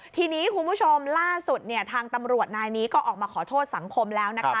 ทีนี้คุณผู้ชมล่าสุดเนี่ยทางตำรวจนายนี้ก็ออกมาขอโทษสังคมแล้วนะคะ